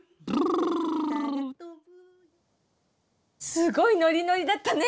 すごいノリノリだったね！